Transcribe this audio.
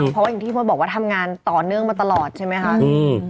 เพราะว่าอย่างที่พ่อบอกว่าทำงานต่อเนื่องมาตลอดใช่ไหมคะ